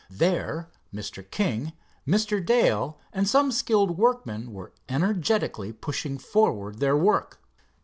There Mr. King, Mr. Dale and some skilled workmen were energetically pushing forward their work.